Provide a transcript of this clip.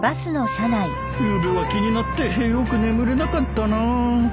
ゆうべは気になってよく眠れなかったなぁ